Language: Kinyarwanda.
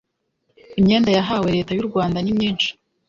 imyenda yahawe Leta y u Rwanda nimyinshi